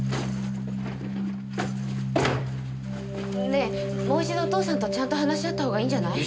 ねえもう一度お義父さんとちゃんと話し合った方がいいんじゃない？